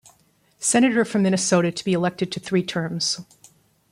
Senator from Minnesota to be elected to three terms.